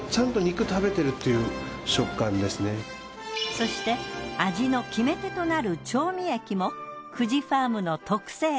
そして味の決め手となる調味液も久慈ファームの特製。